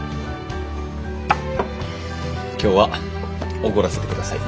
今日はおごらせてください。